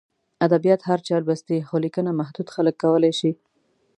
ادبیات هر چا لوستي، خو لیکنه محدود خلک کولای شي.